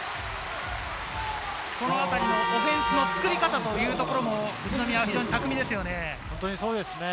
このあたりのオフェンスの作り方というところも、宇都宮は巧みでそうですね。